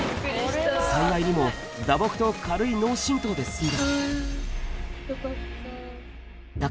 幸いにも打撲と軽い脳震とうで済んだ。